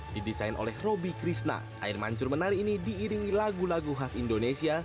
didesain oleh robby krishna air mancur menari ini diiringi lagu lagu khas indonesia